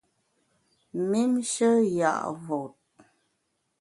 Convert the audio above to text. Mümnshe ya’ vot.